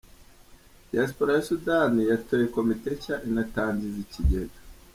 Diyasipora ya Sudani yatoye komite nshya inatangiza ikigega